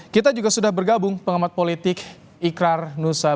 kita juga sudah bergabung pengamat politik ikrar nusa